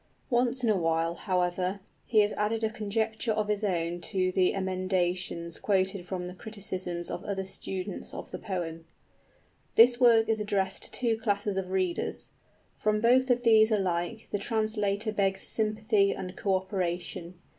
Once in a while, however, he has added a conjecture of his own to the emendations quoted from the criticisms of other students of the poem. This work is addressed to two classes of readers. From both of these alike the translator begs sympathy and co operation.